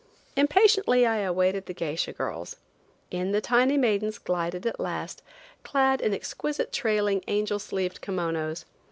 Impatiently I awaited the geisha girls. In the tiny maidens glided at last, clad in exquisite trailing, angel sleeved kimonos.